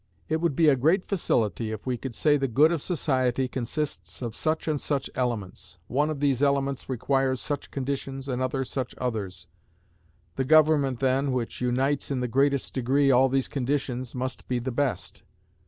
It would be a great facility if we could say the good of society consists of such and such elements; one of these elements requires such conditions, another such others; the government, then, which unites in the greatest degree all these conditions, must be the best.